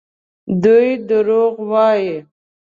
دوی دروغ وايي.